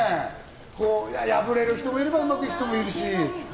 破れる人もいれば、うまくいく人もいるし。